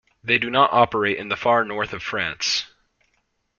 They do not operate in the far north of France.